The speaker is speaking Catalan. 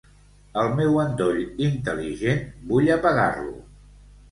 El meu endoll intel·ligent vull apagar-lo.